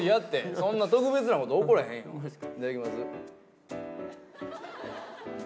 そんな特別なこと起こらへんよいただきます。